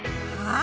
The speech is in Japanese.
あ！